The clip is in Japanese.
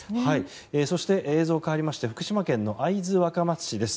そして、映像変わりまして福島県の会津若松市です。